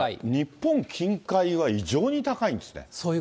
日本近海は異常に高いんですね。